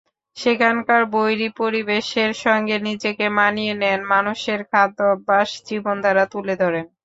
সেখানকার বৈরী পরিবেশের সঙ্গে নিজেকে মানিয়ে নেন, মানুষের খাদ্যাভ্যাস, জীবনধারা তুলে ধরেন।